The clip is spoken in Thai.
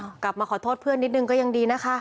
หอขอบคุณเพื่อนก็ยังดีนะคะ